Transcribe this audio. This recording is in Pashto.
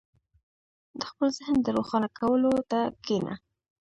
• د خپل ذهن د روښانه کولو ته کښېنه.